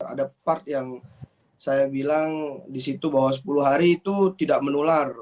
ada part yang saya bilang di situ bahwa sepuluh hari itu tidak menular